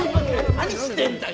何してんだよ！